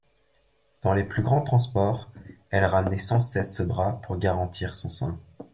Dans les plus grands transports, elle ramenait sans cesse ce drap pour garantir son sein.